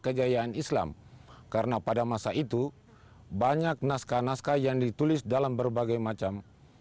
kejayaan islam karena pada masa itu banyak naskah naskah yang ditulis dalam berbagai macam